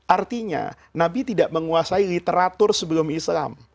artinya nabi tidak menguasai literatur sebelum islam